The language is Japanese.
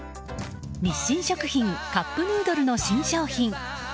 日清食品カップヌードルの新商品